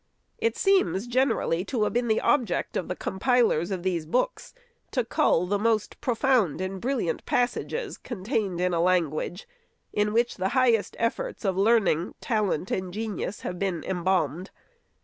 It seems generally to have been the object of the compilers of these books to cull the most profound and brilliant passages, contained in a language, in which the highest efforts of learning, talent, and genius have been em balmed.